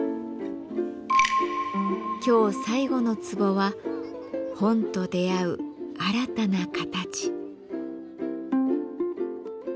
今日最後の壺は「本と出会う新たな形」。